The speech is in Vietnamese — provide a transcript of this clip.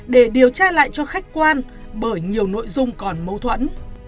để điều tra lại cho khách quan bởi nhiều nội dung còn mâu thuẫn